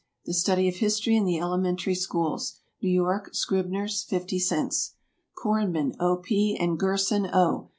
"The Study of History in the Elementary Schools." New York, Scribners'. 50 cents. CORNMAN, O. P., and GERSON, O.